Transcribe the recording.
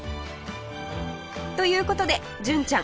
という事で純ちゃん